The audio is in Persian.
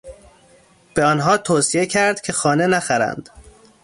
به آنها توصیه کرد که خانه نخرند.